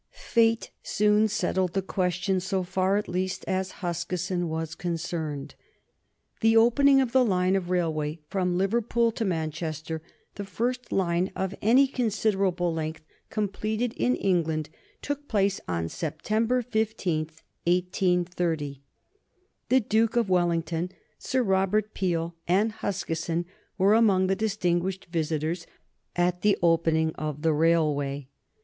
Fate soon settled the question so far at least as Huskisson was concerned. The opening of the line of railway from Liverpool to Manchester, the first line of any considerable length completed in England, took place on September 15, 1830. The Duke of Wellington, Sir Robert Peel, and Huskisson were among the distinguished visitors who were present at the opening of the railway.